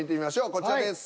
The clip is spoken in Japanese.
こちらです。